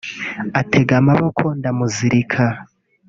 Atega amaboko ndamuzirika